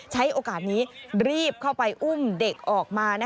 ใช้โอกาสนี้รีบเข้าไปอุ้มเด็กออกมา